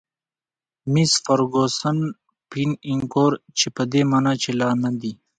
میس فرګوسن: 'pan encore' چې په دې مانا چې لا نه دي.